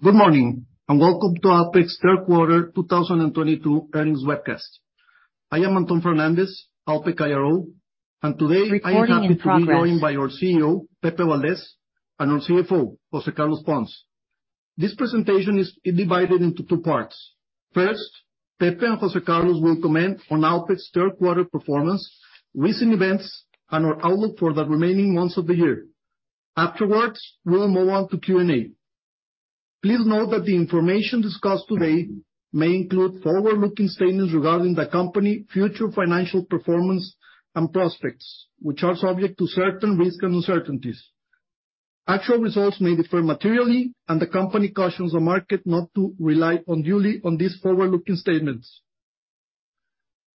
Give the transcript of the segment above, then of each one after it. Good morning, and welcome to Alpek's third quarter 2022 earnings webcast. I am Antón Fernández, Alpek IR, and today I am happy to be joined by our CEO, Pepe Valdez, and our CFO, José Carlos Pons. This presentation is divided into two parts. First, Pepe and José Carlos will comment on Alpek's third quarter performance, recent events, and our outlook for the remaining months of the year. Afterwards, we'll move on to Q&A. Please note that the information discussed today may include forward-looking statements regarding the company, future financial performance, and prospects, which are subject to certain risks and uncertainties. Actual results may differ materially, and the company cautions the market not to rely unduly on these forward-looking statements.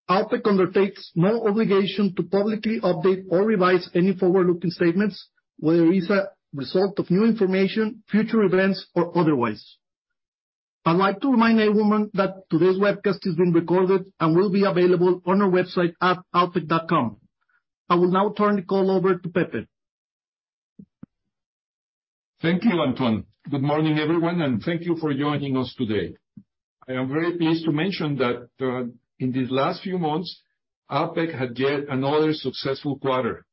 Alpek undertakes no obligation to publicly update or revise any forward-looking statements, whether it's a result of new information, future events, or otherwise. I'd like to remind everyone that today's webcast is being recorded and will be available on our website at alpek.com. I will now turn the call over to Pepe. Thank you, Antón. Good morning, everyone, and thank you for joining us today. I am very pleased to mention that in these last few months, Alpek had yet another successful quarter.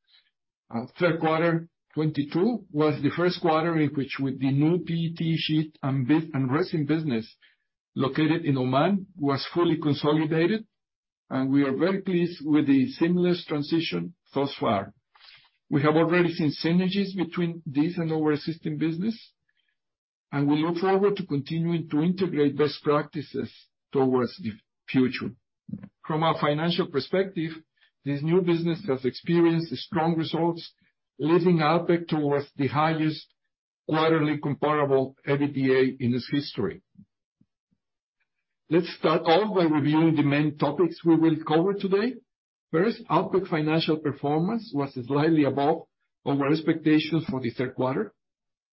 Our third quarter 2022 was the first quarter in which the new PET sheet and business and resin business located in Oman was fully consolidated, and we are very pleased with the seamless transition thus far. We have already seen synergies between this and our existing business, and we look forward to continuing to integrate best practices towards the future. From a financial perspective, this new business has experienced strong results, leading Alpek towards the highest quarterly comparable EBITDA in its history. Let's start off by reviewing the main topics we will cover today. First, Alpek financial performance was slightly above our expectations for the third quarter,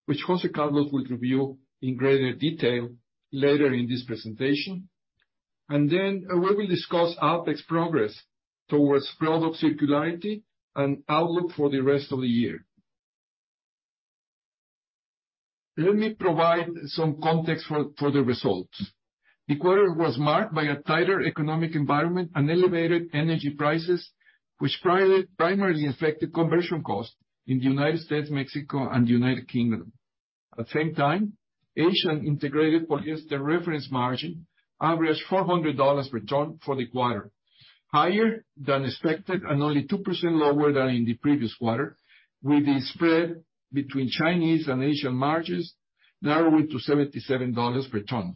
which José Carlos will review in greater detail later in this presentation. We will discuss Alpek's progress towards product circularity and outlook for the rest of the year. Let me provide some context for the results. The quarter was marked by a tighter economic environment and elevated energy prices, which primarily affected conversion costs in the United States, Mexico, and United Kingdom. At the same time, Asian integrated polyester reference margin averaged $400 per ton for the quarter, higher than expected and only 2% lower than in the previous quarter, with the spread between Chinese and Asian margins narrowing to $77 per ton.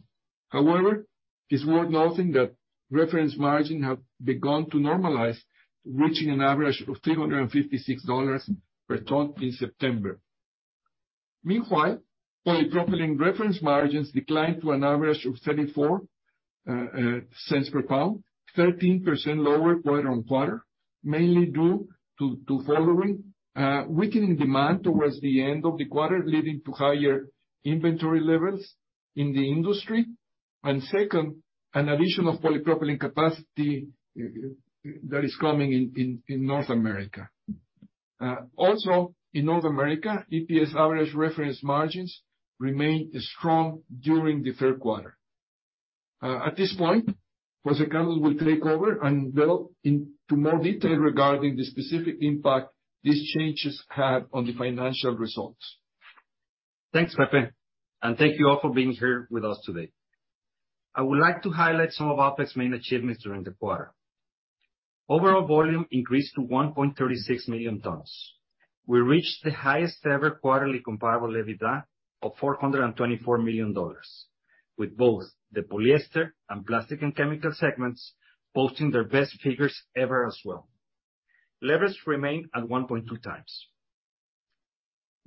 However, it's worth noting that reference margin have begun to normalize, reaching an average of $356 per ton in September. Meanwhile, polypropylene reference margins declined to an average of $0.34 per pound, 13% lower quarter-over-quarter, mainly due to weakening demand towards the end of the quarter, leading to higher inventory levels in the industry. Second, an addition of polypropylene capacity that is coming in in North America. Also in North America, EPS average reference margins remained strong during the third quarter. At this point, José Carlos will take over and develop into more detail regarding the specific impact these changes had on the financial results. Thanks, Pepe. Thank you all for being here with us today. I would like to highlight some of Alpek's main achievements during the quarter. Overall volume increased to 1.36 million tons. We reached the highest ever quarterly comparable EBITDA of $424 million, with both the polyester and Plastics & Chemicals segments posting their best figures ever as well. Levers remain at 1.2x.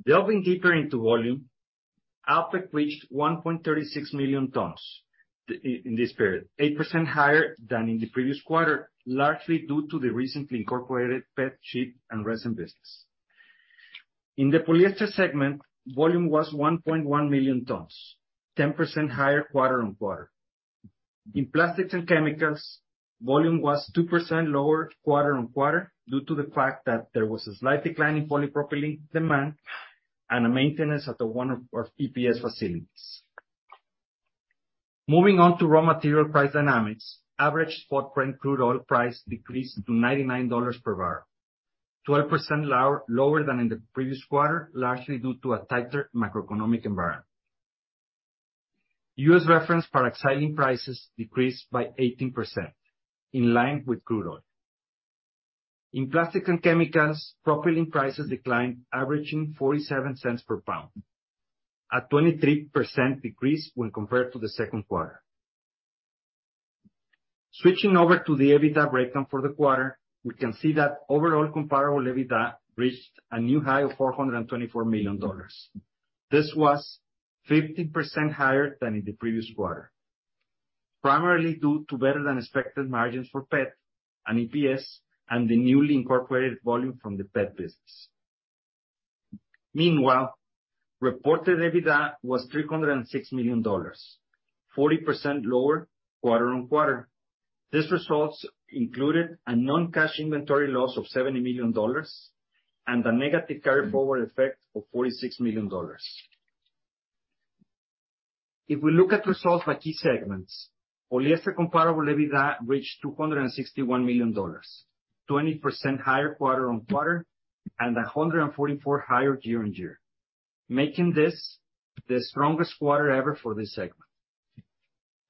Delving deeper into volume, Alpek reached 1.36 million tons in this period, 8% higher than in the previous quarter, largely due to the recently incorporated PET sheet and resin business. In the polyester segment, volume was 1.1 million tons, 10% higher quarter-on-quarter. In Plastics and Chemicals, volume was 2% lower quarter-over-quarter due to the fact that there was a slight decline in polypropylene demand and a maintenance at one of our PP's facilities. Moving on to raw material price dynamics. Average spot crude oil price decreased to $99 per barrel, 12% lower than in the previous quarter, largely due to a tighter macroeconomic environment. U.S. reference paraxylene prices decreased by 18%, in line with crude oil. In plastics and chemicals, propylene prices declined, averaging $0.47 per pound, a 23% decrease when compared to the second quarter. Switching over to the EBITDA breakdown for the quarter, we can see that overall comparable EBITDA reached a new high of $424 million. This was 15% higher than in the previous quarter, primarily due to better than expected margins for PET and EPS and the newly incorporated volume from the PET business. Meanwhile, reported EBITDA was $306 million. 40% lower quarter-over-quarter. These results included a non-cash inventory loss of $70 million and a negative carry-forward effect of $46 million. If we look at results by key segments, polyester comparable EBITDA reached $261 million, 20% higher quarter-over-quarter, and 144% higher year-over-year, making this the strongest quarter ever for this segment.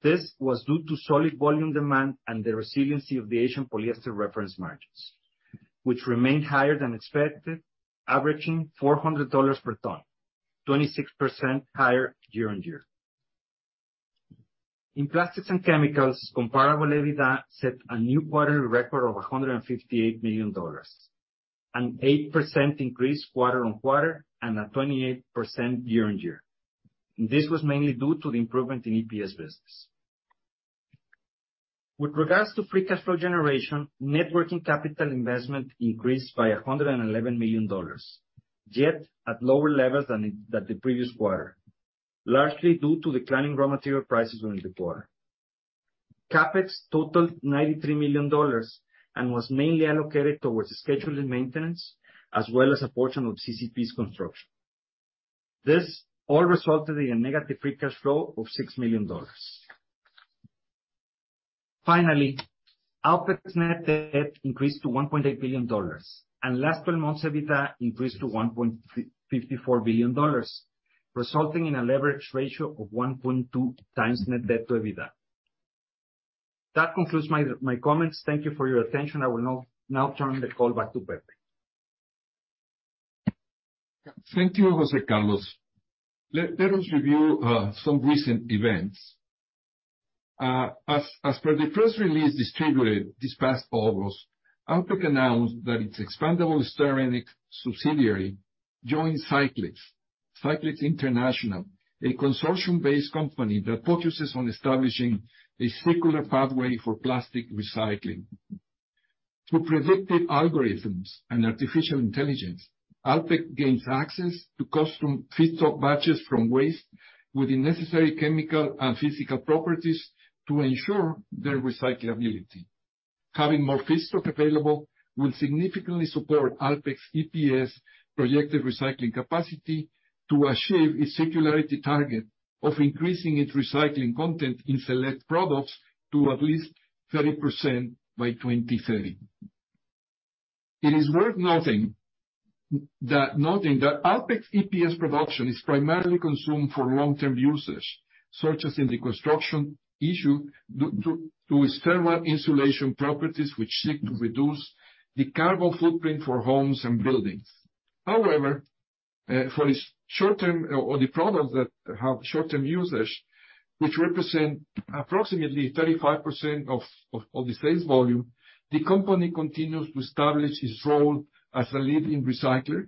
This was due to solid volume demand and the resiliency of the Asian polyester reference margins, which remained higher than expected, averaging $400 per ton, 26% higher year-over-year. In plastics and chemicals, comparable EBITDA set a new quarterly record of $158 million, an 8% increase quarter-on-quarter and a 28% year-on-year. This was mainly due to the improvement in EPS business. With regards to free cash flow generation, net working capital investment increased by $111 million, yet at lower levels than the previous quarter. Largely due to declining raw material prices during the quarter. CapEx totaled $93 million and was mainly allocated towards the scheduled maintenance, as well as a portion of CCP's construction. This all resulted in negative free cash flow of $6 million. Finally, Alpek's net debt increased to $1.8 billion, and last twelve months' EBITDA increased to $1.54 billion, resulting in a leverage ratio of 1.2x net debt to EBITDA. That concludes my comments. Thank you for your attention. I will now turn the call back to Pepe. Thank you, José Carlos. Let us review some recent events. As per the press release distributed this past August, Alpek announced that its expandable styrenic subsidiary joined Cyclyx International, a consortium-based company that focuses on establishing a circular pathway for plastic recycling. Through predictive algorithms and artificial intelligence, Alpek gains access to custom feedstock batches from waste with the necessary chemical and physical properties to ensure their recyclability. Having more feedstock available will significantly support Alpek's EPS projected recycling capacity to achieve its circularity target of increasing its recycling content in select products to at least 30% by 2030. It is worth noting that Alpek's EPS production is primarily consumed for long-term usage, such as in the construction industry, due to its thermal insulation properties, which seek to reduce the carbon footprint for homes and buildings. However, for the short term or the products that have short-term usage, which represent approximately 35% of the sales volume, the company continues to establish its role as a leading recycler,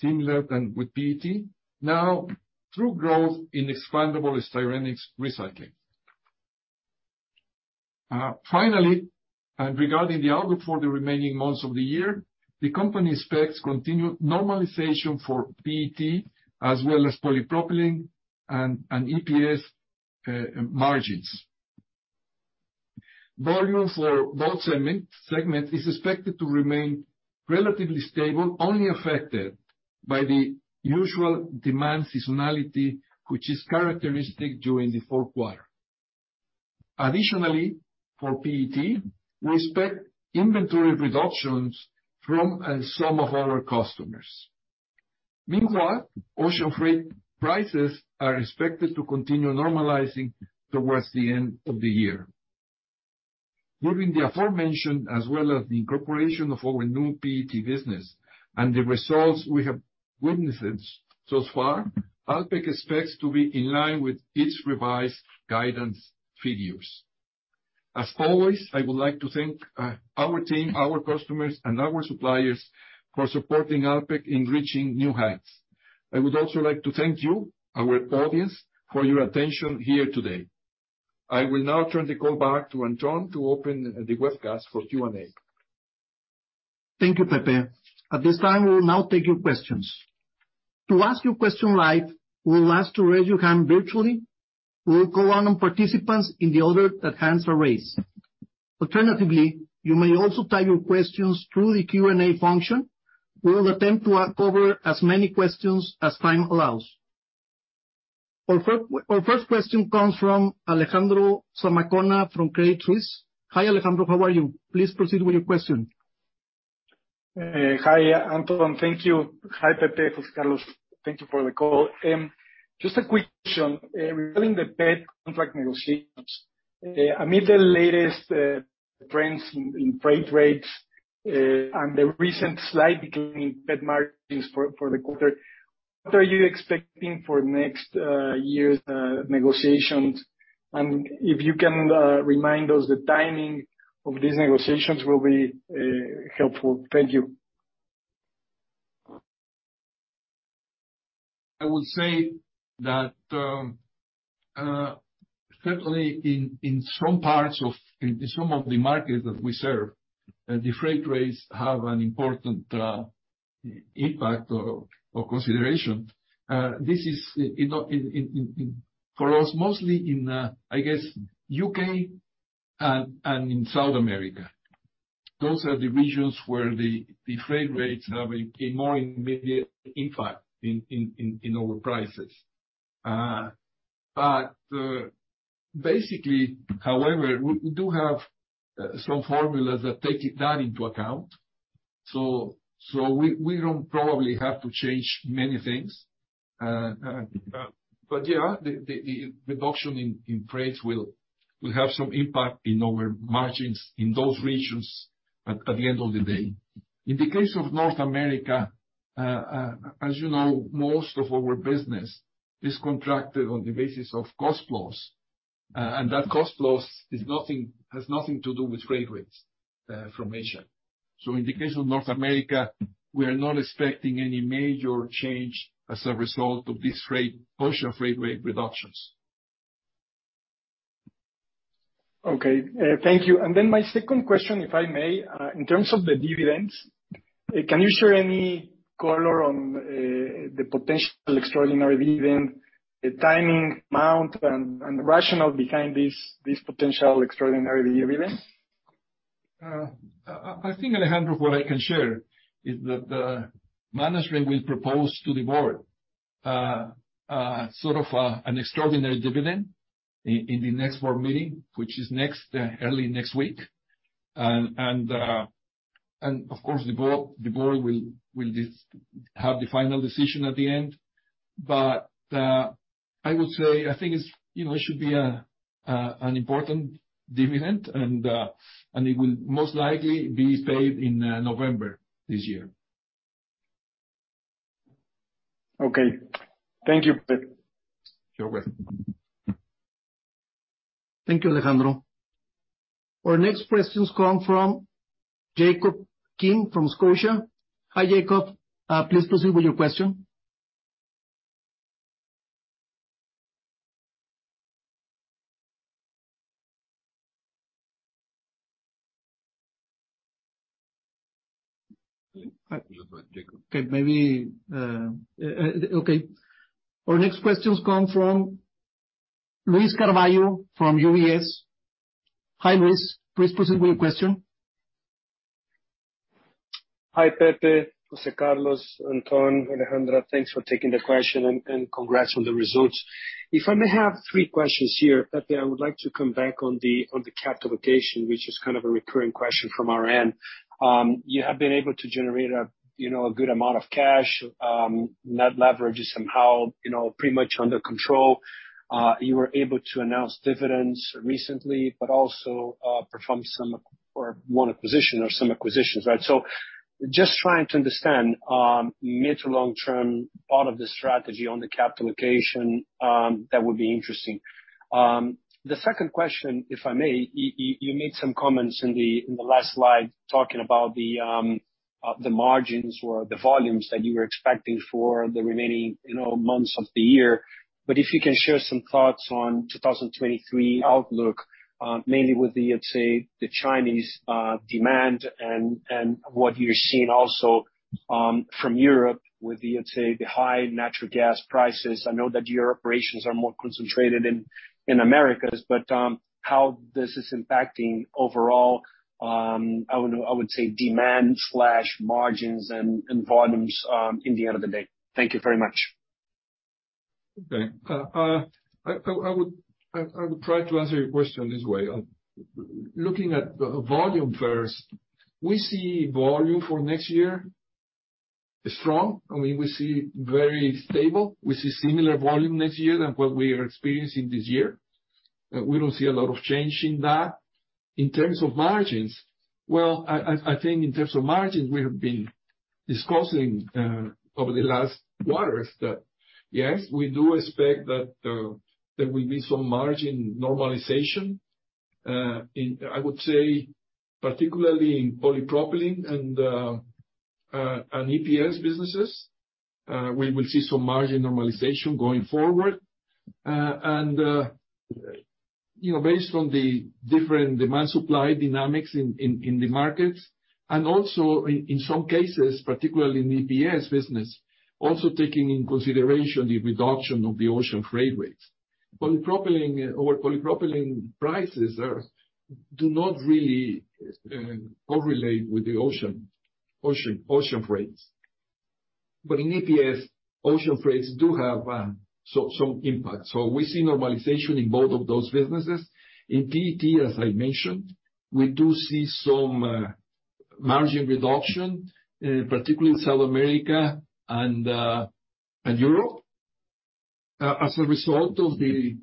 similar than with PET, now through growth in expandable styrenics recycling. Finally, regarding the outlook for the remaining months of the year, the company expects continued normalization for PET as well as polypropylene and EPS margins. Volume for both segment is expected to remain relatively stable, only affected by the usual demand seasonality, which is characteristic during the fourth quarter. Additionally, for PET, we expect inventory reductions from some of our customers. Meanwhile, ocean freight prices are expected to continue normalizing towards the end of the year. Moving the aforementioned as well as the incorporation of our new PET business and the results we have witnessed so far, Alpek expects to be in line with its revised guidance figures. As always, I would like to thank our team, our customers, and our suppliers for supporting Alpek in reaching new heights. I would also like to thank you, our audience, for your attention here today. I will now turn the call back to Anton to open the webcast for Q&A. Thank you, Pepe. At this time, we will now take your questions. To ask your question live, we'll ask to raise your hand virtually. We'll call on participants in the order that hands are raised. Alternatively, you may also type your questions through the Q&A function. We will attempt to uncover as many questions as time allows. Our first question comes from Alejandro Zamacona from Credit Suisse. Hi, Alejandro, how are you? Please proceed with your question. Hi, Antón. Thank you. Hi, Pepe, José Carlos. Thank you for the call. Just a quick question regarding the PET contract negotiations. Amid the latest trends in freight rates and the recent slight decline in PET margins for the quarter, what are you expecting for next year's negotiations? If you can remind us the timing of these negotiations will be helpful. Thank you. I would say that certainly in some of the markets that we serve, the freight rates have an important impact or consideration. This is, you know, for us, mostly in, I guess, U.K. and in South America. Those are the regions where the freight rates have a more immediate impact in our prices. But basically, however, we do have some formulas that take that into account. We don't probably have to change many things. Yeah, the reduction in freight will have some impact in our margins in those regions at the end of the day. In the case of North America, as you know, most of our business is contracted on the basis of cost plus. And that cost plus has nothing to do with freight rates from Asia. In the case of North America, we are not expecting any major change as a result of this ocean freight rate reductions. Okay. Thank you. My second question, if I may, in terms of the dividends, can you share any color on the potential extraordinary dividend, the timing, amount, and the rationale behind this potential extraordinary dividend? I think, Alejandro, what I can share is that the management will propose to the board an extraordinary dividend in the next board meeting, which is early next week. Of course, the board will have the final decision at the end. I would say, I think it's, you know, it should be an important dividend and it will most likely be paid in November this year. Okay. Thank you, Pepe. You're welcome. Thank you, Alejandro. Our next questions come from Jacob Kim from Scotiabank. Hi, Jacob. Please proceed with your question. Go for it, Jacob. Okay. Our next questions come from Luiz Carvalho from UBS. Hi, Luiz. Please proceed with your question. Hi, Pepe, José Carlos, Antón, Alejandra. Thanks for taking the question, and congrats on the results. If I may have three questions here. Pepe, I would like to come back on the capital allocation, which is kind of a recurring question from our end. You have been able to generate a good amount of cash. Net leverage is somehow pretty much under control. You were able to announce dividends recently, but also perform one acquisition or some acquisitions, right? Just trying to understand mid to long-term part of the strategy on the capital allocation, that would be interesting. The second question, if I may, you made some comments in the last slide talking about the margins or the volumes that you were expecting for the remaining, you know, months of the year. If you can share some thoughts on 2023 outlook, mainly with the, let's say, the Chinese demand and what you're seeing also from Europe with the, let's say, the high natural gas prices. I know that your operations are more concentrated in Americas, but how this is impacting overall, I would say demand slash margins and volumes in the end of the day. Thank you very much. I will try to answer your question this way. Looking at volume first, we see volume for next year is strong. I mean, we see very stable. We see similar volume next year than what we are experiencing this year. We don't see a lot of change in that. In terms of margins, well, I think in terms of margins, we have been discussing over the last quarters that, yes, we do expect that there will be some margin normalization. I would say particularly in polypropylene and EPS businesses, we will see some margin normalization going forward. you know, based on the different demand-supply dynamics in the markets, and also in some cases, particularly in EPS business, also taking into consideration the reduction of the ocean freight rates. Polypropylene prices do not really correlate with the ocean rates. In EPS, ocean rates do have some impact. We see normalization in both of those businesses. In PET, as I mentioned, we do see some margin reduction, particularly in South America and Europe, as a result of the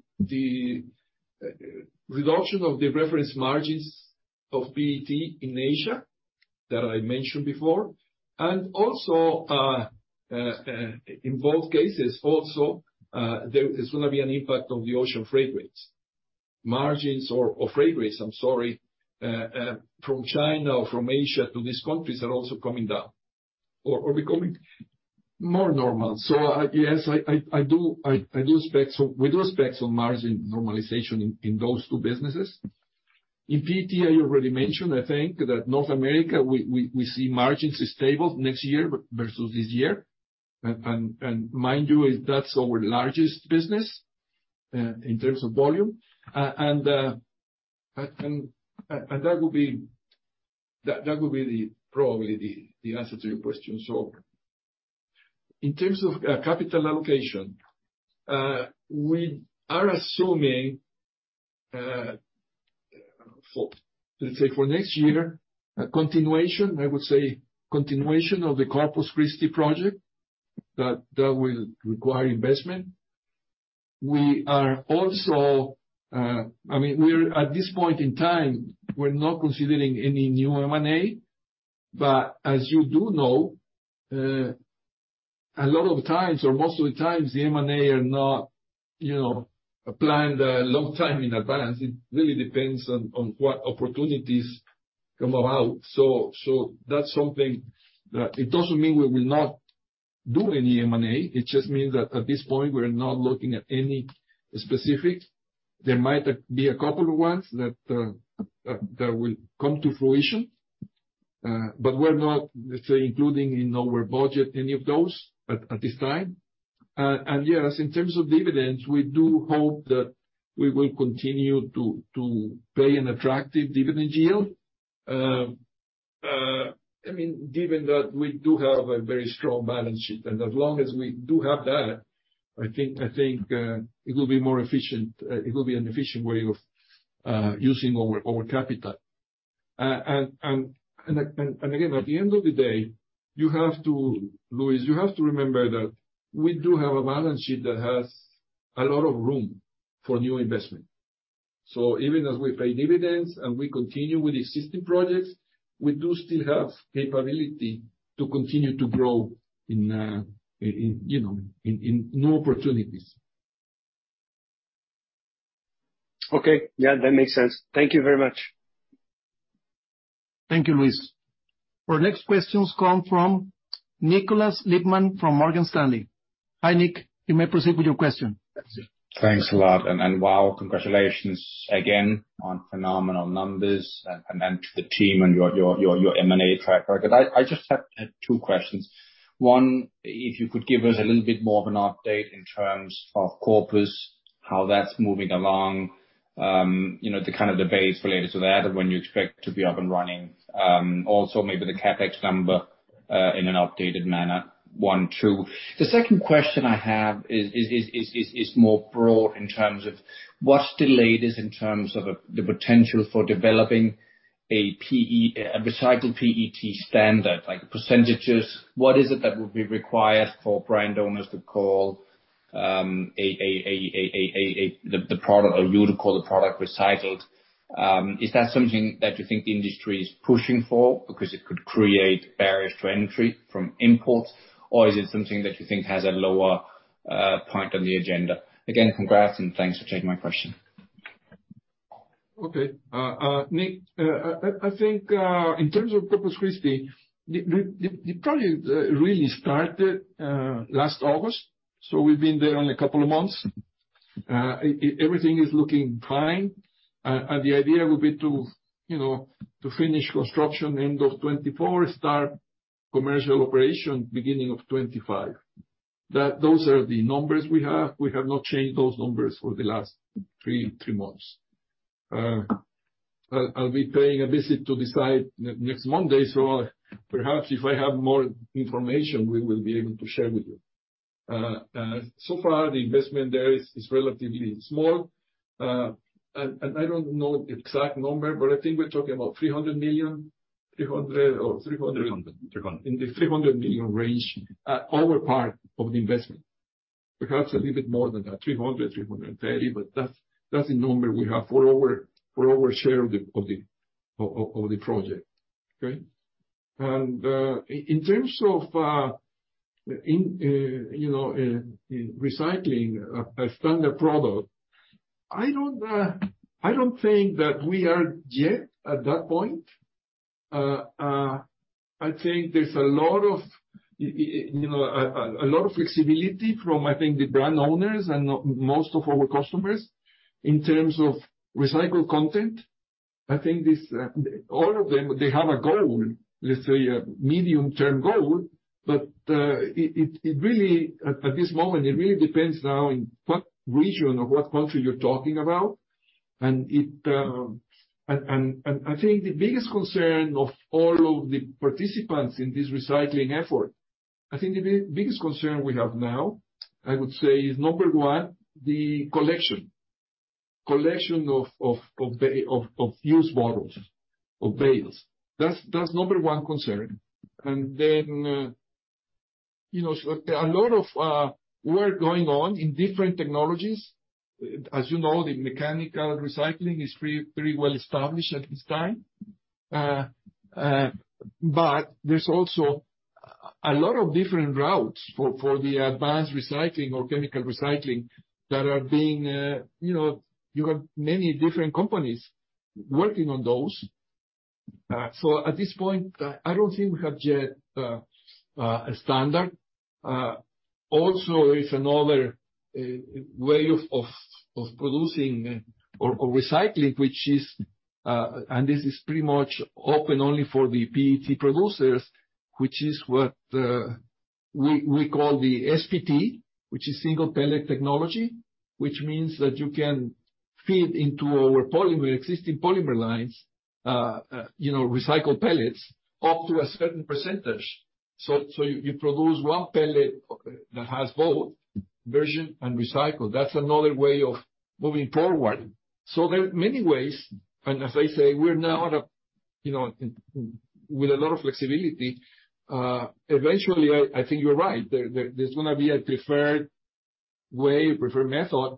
reduction of the reference margins of PET in Asia, that I mentioned before. also, in both cases, there is gonna be an impact on the ocean freight rates. Margins or freight rates from China or from Asia to these countries are also coming down or becoming more normal. We do expect some margin normalization in those two businesses. In PET, I already mentioned, I think that North America, we see margins as stable next year versus this year. And mind you, that's our largest business in terms of volume. And that will be probably the answer to your question. In terms of capital allocation, we are assuming, for, let's say, next year, a continuation, I would say, of the Corpus Christi project that will require investment. We are also, we're at this point in time, we're not considering any new M&A, but as you do know, a lot of the times or most of the times, the M&A are not, you know, planned a long time in advance. It really depends on what opportunities come about. That's something that it doesn't mean we will not do any M&A. It just means that at this point, we're not looking at any specific. There might be a couple of ones that will come to fruition, but we're not, let's say, including in our budget any of those at this time. Yes, in terms of dividends, we do hope that we will continue to pay an attractive dividend yield. I mean, given that we do have a very strong balance sheet, and as long as we do have that, I think it will be more efficient. It will be an efficient way of using our capital. Again, at the end of the day, Luiz, you have to remember that we do have a balance sheet that has a lot of room for new investment. Even as we pay dividends and we continue with existing projects, we do still have capability to continue to grow in, you know, new opportunities. Okay. Yeah, that makes sense. Thank you very much. Thank you, Luiz. Our next questions come from Nikolaj Lippmann from Morgan Stanley. Hi, Nick. You may proceed with your question. Thanks a lot. Wow, congratulations again on phenomenal numbers. To the team and your M&A track record. I just have two questions. One, if you could give us a little bit more of an update in terms of Corpus, how that's moving along, you know, the kind of the base related to that and when you expect to be up and running. Also maybe the CapEx number in an updated manner. One, two. The second question I have is more broad in terms of what's the latest in terms of the potential for developing a recycled PET standard, like percentages. What is it that would be required for brand owners to call the product or you to call the product recycled? Is that something that you think the industry is pushing for because it could create barriers to entry from imports, or is it something that you think has a lower point on the agenda? Again, congrats, and thanks for taking my question. Nick, I think in terms of Corpus Christi, the project really started last August, so we've been there only a couple of months. Everything is looking fine. The idea would be to, you know, to finish construction end of 2024, start commercial operation beginning of 2025. Those are the numbers we have. We have not changed those numbers for the last three months. I'll be paying a visit to the site next Monday, so perhaps if I have more information, we will be able to share with you. So far the investment there is relatively small. I don't know the exact number, but I think we're talking about $300 million, 300 or 300- 300. In the $300 million range, our part of the investment. Perhaps a little bit more than that, 330, but that's the number we have for our share of the project. Okay? In terms of, you know, in recycling a standard product, I don't think that we are yet at that point. I think there's a lot of, you know, a lot of flexibility from, I think, the brand owners and most of our customers in terms of recycled content. I think this, all of them, they have a goal, let's say a medium-term goal, but it really, at this moment, it really depends now in what region or what country you're talking about. I think the biggest concern of all of the participants in this recycling effort, I think the biggest concern we have now, I would say, is number one, the collection. Collection of used bottles or bales. That's number one concern. You know, a lot of work going on in different technologies. As you know, the mechanical recycling is pretty well established at this time. But there's also a lot of different routes for the advanced recycling or chemical recycling that are being, you know, you have many different companies working on those. At this point, I don't think we have yet a standard. Also another way of producing or recycling, which is and this is pretty much open only for the PET producers, which is what we call the SPT, which is Single Pellet Technology. Which means that you can feed into our existing polymer lines, you know, recycled pellets up to a certain percentage. You produce one pellet that has both virgin and recycled. That's another way of moving forward. There are many ways, and as I say, we're now, you know, with a lot of flexibility. Eventually, I think you're right. There's gonna be a preferred way, preferred method.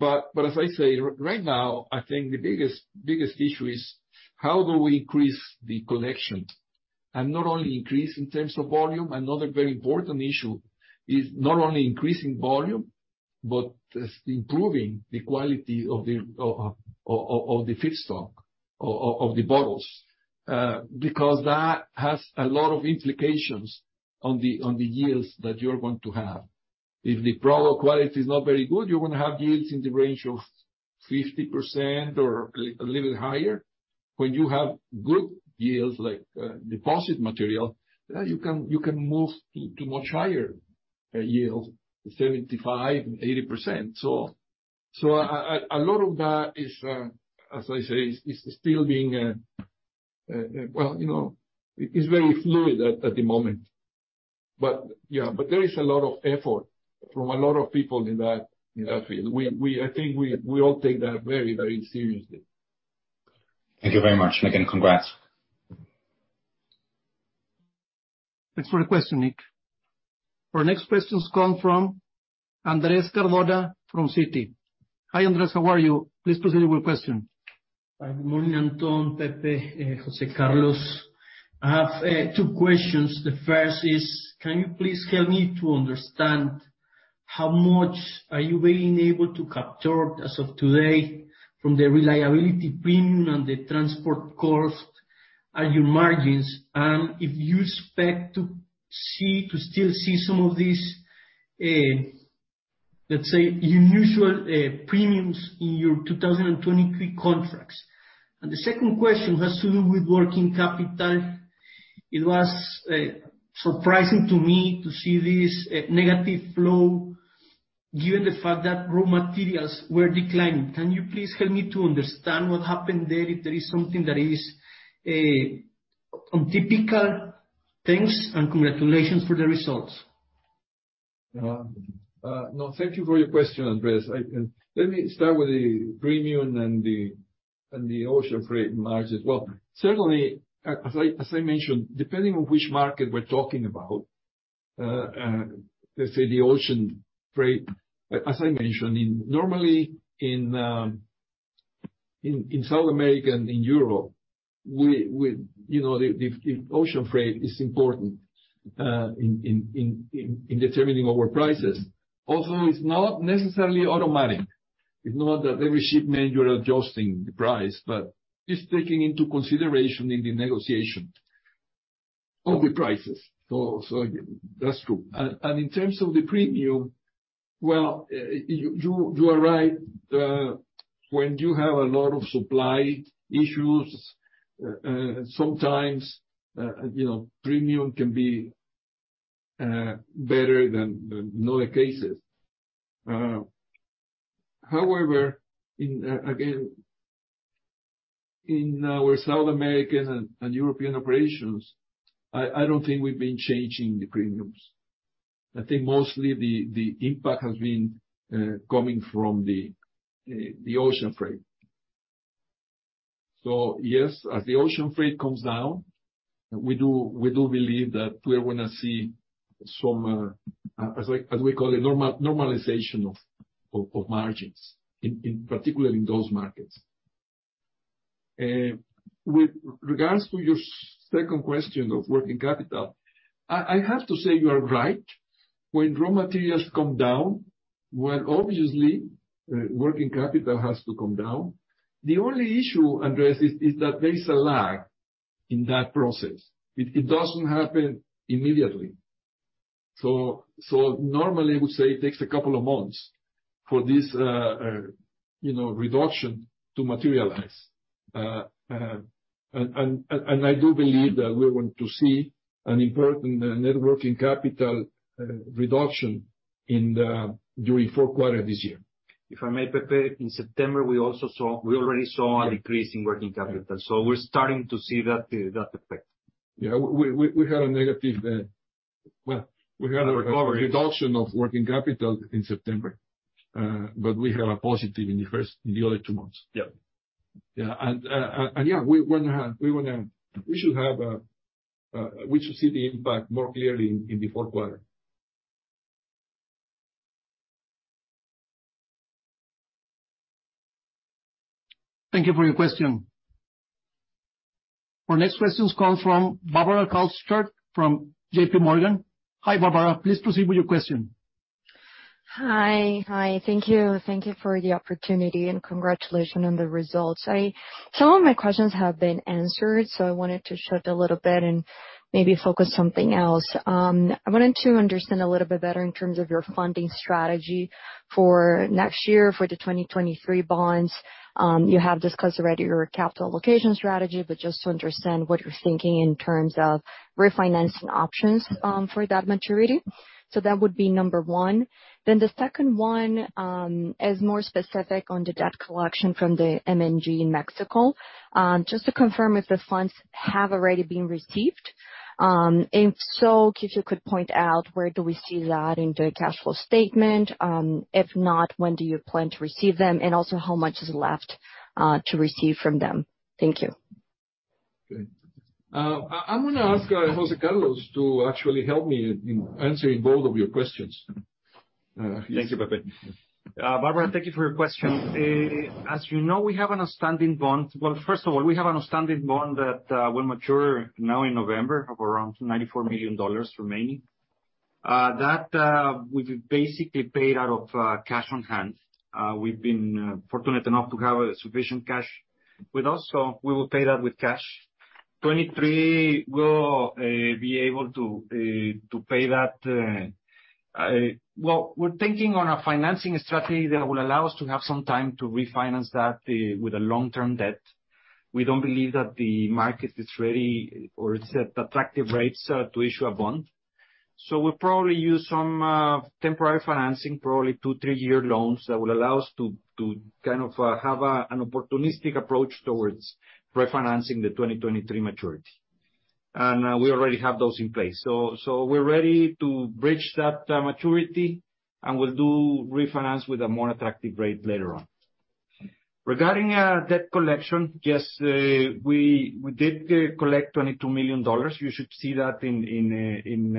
As I say, right now, I think the biggest issue is how do we increase the collection? Not only increase in terms of volume, another very important issue is not only increasing volume, but just improving the quality of the feedstock of the bottles. Because that has a lot of implications on the yields that you're going to have. If the product quality is not very good, you're gonna have yields in the range of 50% or a little bit higher. When you have good yields, like deposit material, you can move to much higher yield, 75%-80%. A lot of that is, as I say, still being, well, you know, it's very fluid at the moment. Yeah, there is a lot of effort from a lot of people in that field. I think we all take that very, very seriously. Thank you very much. Again, congrats. Thanks for the question, Nick. Our next question comes from Andrés Cardona from Citi. Hi, Andrés, how are you? Please proceed with question. Hi. Good morning, Antón, Pepe, José Carlos. I have two questions. The first is, can you please help me to understand how much are you being able to capture as of today from the reliability premium and the transport cost on your margins? And if you expect to still see some of these, let's say, unusual premiums in your 2023 contracts. And the second question has to do with working capital. It was surprising to me to see this negative flow given the fact that raw materials were declining. Can you please help me to understand what happened there, if there is something that is untypical? Thanks, and congratulations for the results. Thank you for your question, Andrés. Let me start with the premium and the ocean freight margins. Well, certainly, as I mentioned, depending on which market we're talking about, let's say the ocean freight, as I mentioned, normally in South America and in Europe, we you know, the ocean freight is important in determining our prices. Also, it's not necessarily automatic. It's not that every shipment you're adjusting the price, but it's taking into consideration in the negotiation of the prices. That's true. In terms of the premium, well, you are right. When you have a lot of supply issues, sometimes, you know, premium can be better than in other cases. However, again, in our South American and European operations, I don't think we've been changing the premiums. I think mostly the impact has been coming from the ocean freight. Yes, as the ocean freight comes down, we do believe that we're gonna see some, as we call it, normalization of margins, in particular, in those markets. With regards to your second question of working capital, I have to say you are right. When raw materials come down, well, obviously, working capital has to come down. The only issue, Andrés, is that there is a lag in that process. It doesn't happen immediately. Normally, we say it takes a couple of months for this, you know, reduction to materialize. I do believe that we're going to see an important net working capital reduction during fourth quarter this year. If I may, Pepe, in September, we already saw a decrease in working capital. We're starting to see that effect. Yeah. We had a negative. Well, we had a recovery- Reduction. Reduction of working capital in September, but we had a positive in the first, in the other two months. Yeah. Yeah, we should see the impact more clearly in the fourth quarter. Thank you for your question. Our next question is coming from Bárbara Amaya from JPMorgan. Hi, Bárbara, please proceed with your question. Hi. Thank you for the opportunity, and congratulations on the results. Some of my questions have been answered, so I wanted to shift a little bit and maybe focus something else. I wanted to understand a little bit better in terms of your funding strategy for next year for the 2023 bonds. You have discussed already your capital allocation strategy, but just to understand what you're thinking in terms of refinancing options, for that maturity. That would be number one. The second one is more specific on the debt collection from the M&G Mexico, just to confirm if the funds have already been received. If so, if you could point out where do we see that in the cash flow statement? If not, when do you plan to receive them? How much is left to receive from them? Thank you. Okay. I'm gonna ask José Carlos to actually help me in answering both of your questions. Thank you, Pepe. Barbara, thank you for your question. As you know, we have an outstanding bond. Well, first of all, we have an outstanding bond that will mature now in November of around $94 million remaining. That we've basically paid out of cash on hand. We've been fortunate enough to have sufficient cash with us, so we will pay that with cash. 2023, we'll be able to pay that. Well, we're thinking on a financing strategy that will allow us to have some time to refinance that with a long-term debt. We don't believe that the market is ready or it's at attractive rates to issue a bond. We'll probably use some temporary financing, probably two-three year loans that will allow us to kind of have an opportunistic approach towards refinancing the 2023 maturity. We already have those in place. We're ready to bridge that maturity, and we'll refinance with a more attractive rate later on. Regarding our debt collection, yes, we did collect $22 million. You should see that I mean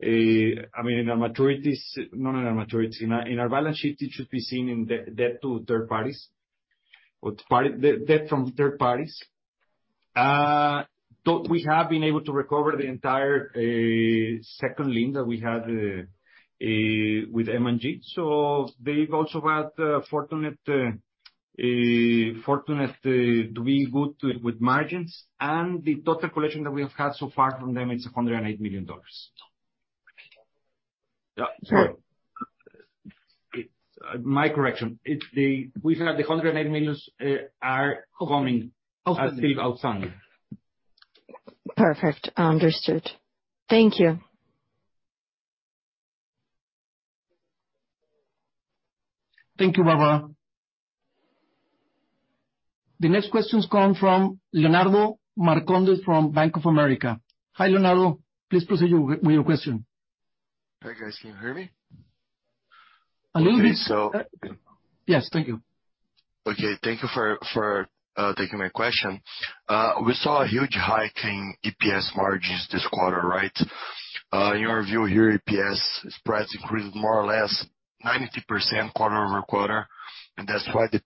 in our maturities, not in our maturities, in our balance sheet. It should be seen in debt to third parties, or debt from third parties. We have been able to recover the entire second lien that we had with M&G. They've also had fortunate doing good with margins. The total collection that we have had so far from them is $108 million. Sorry. My correction. It's we said the $108 millions are coming. Okay. Are still outstanding. Perfect. Understood. Thank you. Thank you, Barbara. The next question is coming from Leonardo Marcondes from Bank of America. Hi, Leonardo. Please proceed with your question. Hi, guys. Can you hear me? A little bit. Okay. Yes. Thank you. Okay. Thank you for taking my question. We saw a huge hike in EPS margins this quarter, right? In your view here, EPS spreads increased more or less 90% quarter-over-quarter, and that's why the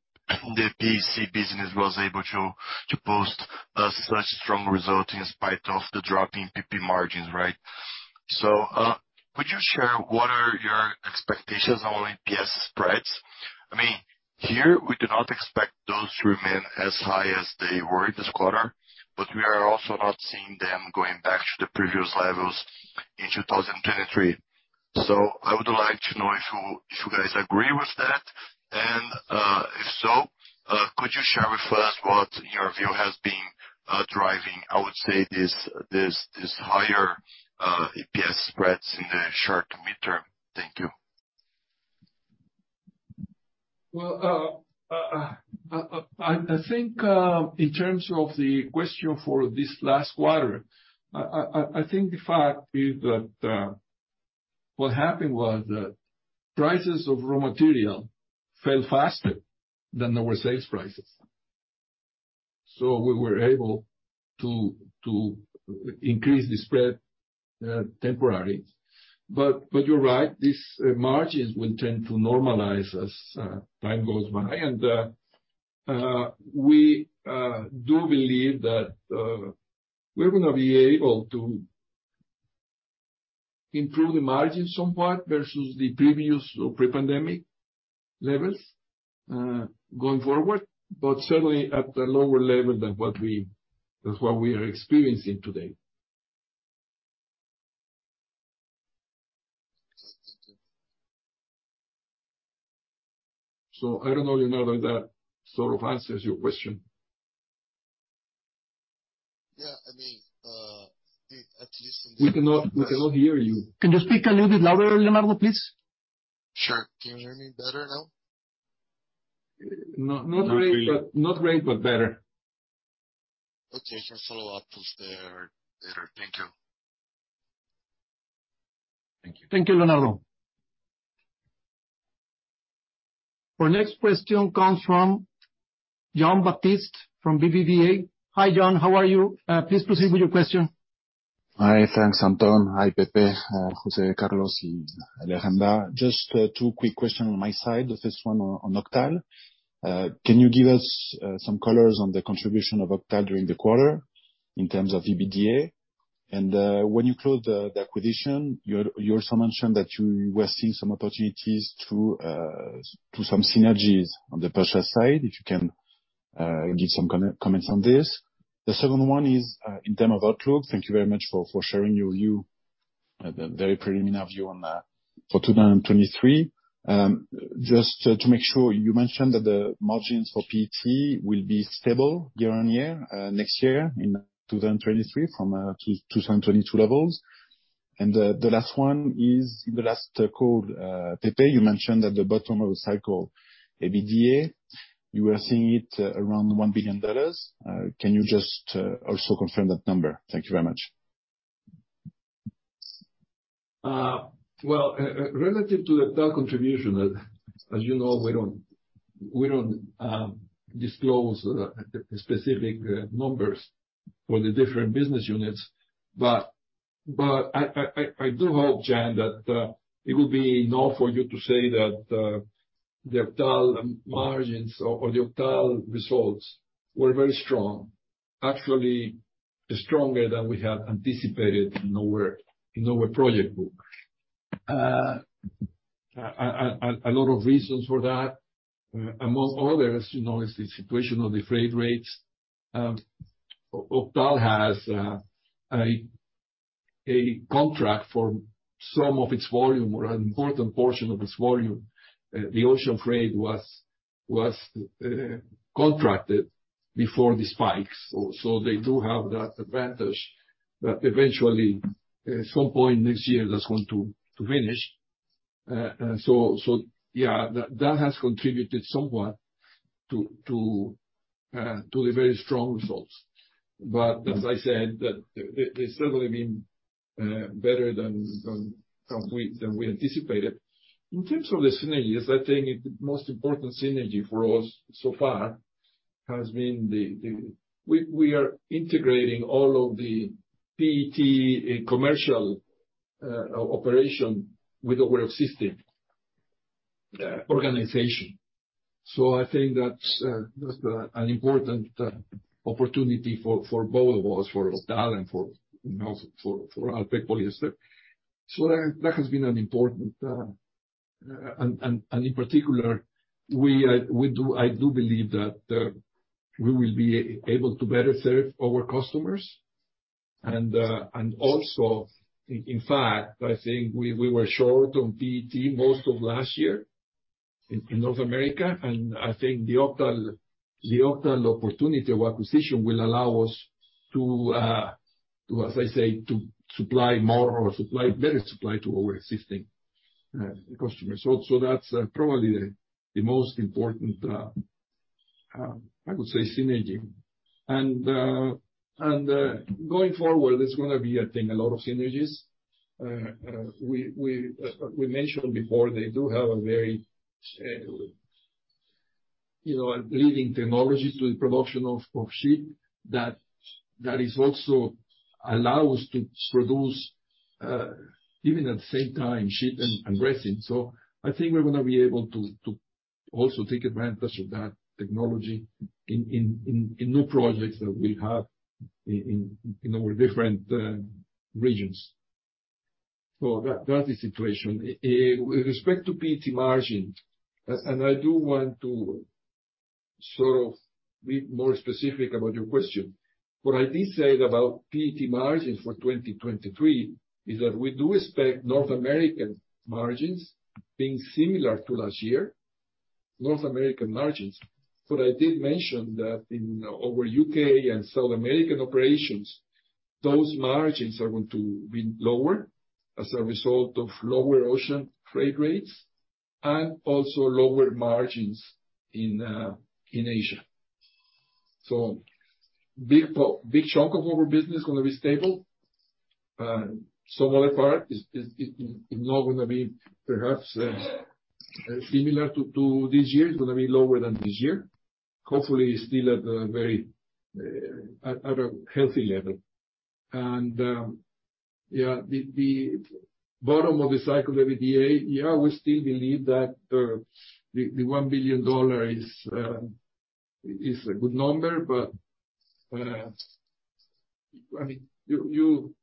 P&C business was able to post such strong results in spite of the drop in PP margins, right? Would you share what are your expectations on EPS spreads? I mean, here we do not expect those to remain as high as they were this quarter, but we are also not seeing them going back to the previous levels in 2023. I would like to know if you guys agree with that. If so, could you share with us what in your view has been driving, I would say, this higher EPS spreads in the short to mid term? Thank you. I think in terms of the question for this last quarter, the fact is that what happened was that prices of raw material fell faster than our sales prices. We were able to increase the spread temporarily. You're right, these margins will tend to normalize as time goes by. We do believe that we're gonna be able to improve the margin somewhat versus the previous or pre-pandemic levels going forward, but certainly at a lower level than what we are experiencing today. I don't know, Leonardo, if that sort of answers your question. Yeah. I mean, at least. We cannot hear you. Can you speak a little bit louder, Leonardo, please? Sure. Can you hear me better now? Not great, but Not really. Not great, but better. Okay. Follow-up is there later. Thank you. Thank you. Thank you, Leonardo. Our next question comes from Jean-Baptiste Bruny from BBVA. Hi, Jean, how are you? Please proceed with your question. Hi. Thanks, Antón. Hi, Pepe, José Carlos, and Alejandra. Just two quick questions on my side. The first one on Octal. Can you give us some colors on the contribution of Octal during the quarter in terms of EBITDA? When you closed the acquisition, you also mentioned that you were seeing some opportunities to some synergies on the purchase side. If you can give some comments on this. The second one is in terms of outlook. Thank you very much for sharing your view, the very preliminary view on for 2023. Just to make sure, you mentioned that the margins for PET will be stable year on year next year in 2023 from 2022 levels. The last one is in the last call, José de Jesús Valdez Simancas, you mentioned at the bottom of the cycle, EBITDA, you were seeing it around $1 billion. Can you just also confirm that number? Thank you very much. Well, relative to the Octal contribution, as you know, we don't disclose the specific numbers for the different business units. I do hope, Jean-Baptiste, that it will be enough for you to say that the Octal margins or the Octal results were very strong, actually stronger than we had anticipated in our project book. A lot of reasons for that. Among others, you know, is the situation of the freight rates. Octal has a contract for some of its volume or an important portion of its volume. The ocean freight was contracted before the spikes. They do have that advantage, but eventually at some point next year, that's going to finish. Yeah, that has contributed somewhat to the very strong results. As I said, they certainly have been better than we anticipated. In terms of the synergies, I think the most important synergy for us so far has been. We are integrating all of the PET commercial operation with our existing organization. I think that's an important opportunity for both of us, for Octal and for, you know, Alpek Polyester. That has been an important. In particular, I do believe that we will be able to better serve our customers. Also, in fact, I think we were short on PET most of last year in North America. I think the Octal opportunity or acquisition will allow us to, as I say, to supply more or supply better supply to our existing customers. That's probably the most important, I would say, synergy. Going forward, there's gonna be, I think, a lot of synergies. We mentioned before, they do have a very, you know, leading technology to the production of sheet. That is also allow us to produce even at the same time, sheet and resin. I think we're gonna be able to also take advantage of that technology in new projects that we have in our different regions. That's the situation. With respect to PET margins, and I do want to sort of be more specific about your question. What I did say about PET margins for 2023 is that we do expect North American margins being similar to last year. I did mention that in our U.K. and South American operations, those margins are going to be lower as a result of lower ocean freight rates and also lower margins in Asia. Big chunk of our business gonna be stable. Some other part is not gonna be perhaps similar to this year. It's gonna be lower than this year. Hopefully, still at a very healthy level. The bottom of the cycle EBITDA, we still believe that the $1 billion is a good number. I mean, you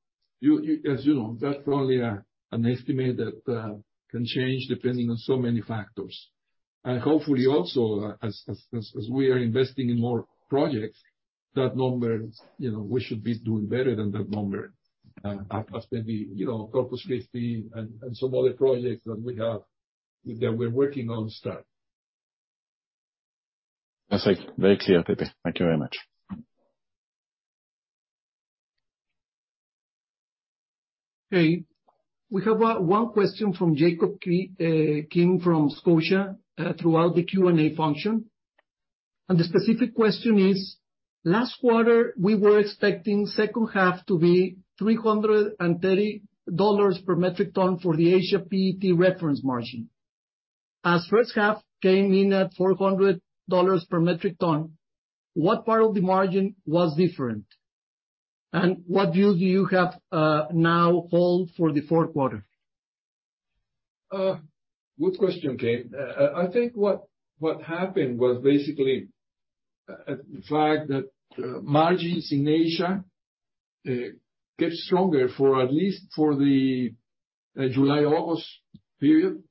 as you know, that's only an estimate that can change depending on so many factors. Hopefully also as we are investing in more projects, that number, you know, we should be doing better than that number, as maybe, you know, Corpus Christi and some other projects that we have, that we're working on start. That's it. Very clear, Pepe. Thank you very much. Okay. We have one question from Jacob Kim from Scotiabank throughout the Q&A function, and the specific question is: Last quarter, we were expecting second half to be $330 per metric ton for the Asia PET reference margin. As first half came in at $400 per metric ton, what part of the margin was different? What view do you now hold for the fourth quarter? Good question, K. I think what happened was basically a fact that margins in Asia get stronger for at least the July-August period.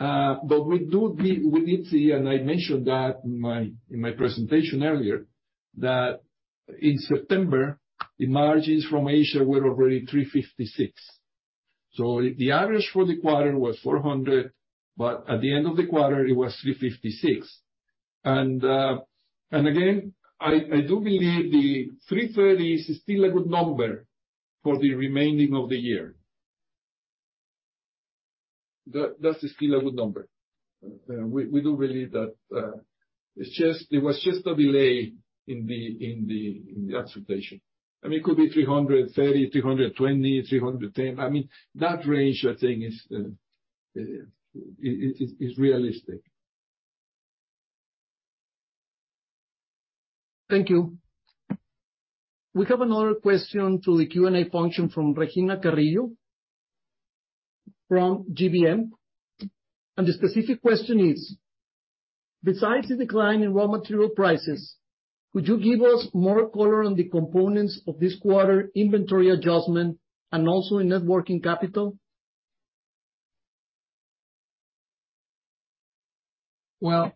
We need to see, and I mentioned that in my presentation earlier, that in September, the margins from Asia were already $356. The average for the quarter was $400, but at the end of the quarter, it was $356. Again, I do believe 330 is still a good number for the remaining of the year. That's still a good number. We do believe that it's just it was just a delay in the fluctuation. I mean, it could be 330, 320, 310. I mean, that range, I think is realistic. Thank you. We have another question to the Q&A function from Regina Carrillo from GBM. The specific question is: Besides the decline in raw material prices, could you give us more color on the components of this quarter inventory adjustment and also in net working capital? Well,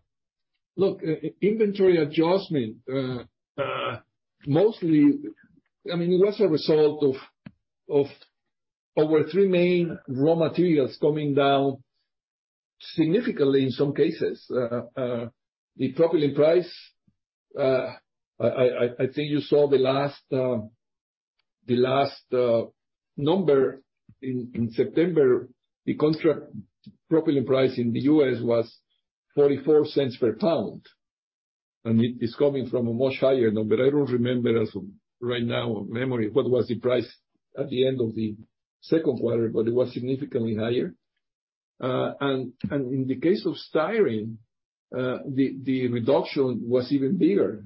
look, inventory adjustment, mostly, I mean, it was a result of our three main raw materials coming down significantly in some cases. The propylene price, I think you saw the last number in September, the contract propylene price in the U.S. was $0.44 per pound, and it is coming from a much higher number. I don't remember, from memory, what was the price at the end of the second quarter, but it was significantly higher. In the case of styrene, the reduction was even bigger.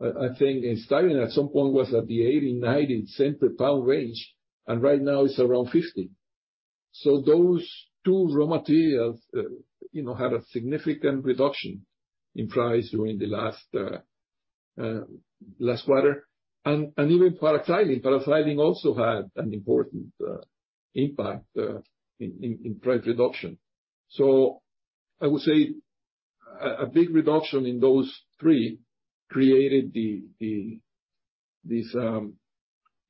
I think in styrene at some point was at the $0.80-$0.90 per pound range, and right now it's around $0.50. Those two raw materials, you know, had a significant reduction in price during the last quarter. Even paraxylene. Paraxylene also had an important impact in price reduction. I would say a big reduction in those three created this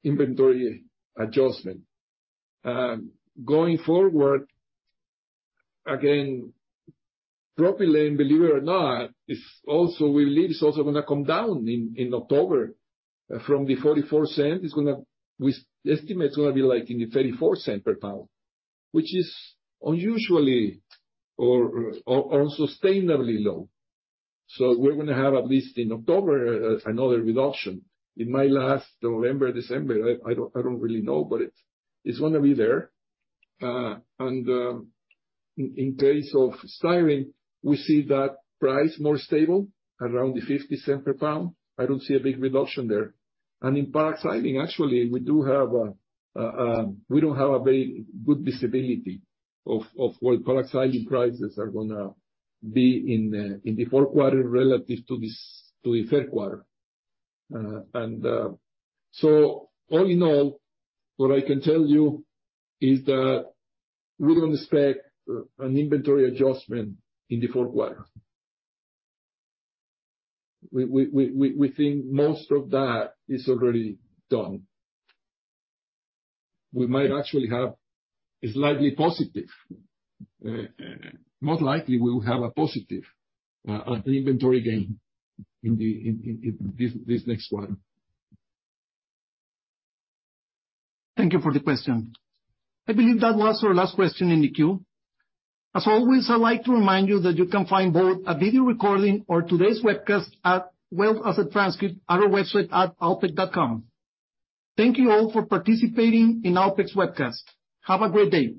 inventory adjustment. Going forward, again, propylene, believe it or not, is also, we believe, gonna come down in October. From the $0.44, it's gonna, we estimate it's gonna be like in the $0.34 per pound, which is unusually or unsustainably low. We're gonna have at least in October another reduction. It might last November, December. I don't really know, but it's gonna be there. In case of styrene, we see that price more stable around the $0.50 per pound. I don't see a big reduction there. In paraxylene, actually, we don't have a very good visibility of what paraxylene prices are gonna be in the fourth quarter relative to the third quarter. All in all, what I can tell you is that we don't expect an inventory adjustment in the fourth quarter. We think most of that is already done. We might actually have a slightly positive. Most likely we will have a positive inventory gain in this next one. Thank you for the question. I believe that was our last question in the queue. As always, I'd like to remind you that you can find both a video recording of today's webcast, as well as a transcript at our website at alpek.com. Thank you all for participating in Alpek's webcast. Have a great day.